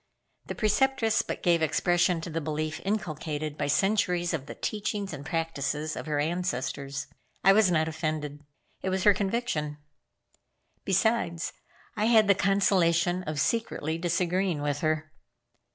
The Preceptress but gave expression to the belief inculcated by centuries of the teachings and practices of her ancestors. I was not offended. It was her conviction. Besides, I had the consolation of secretly disagreeing with her.